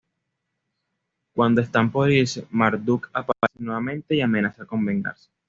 Cuando están por irse, Marduk aparece nuevamente y amenaza con vengarse.